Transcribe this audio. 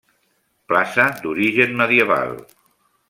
Plaça d'origen medieval.